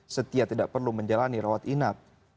setia tidak perlu menjalani rawat inap